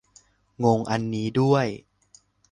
งงอันนี้ด้วย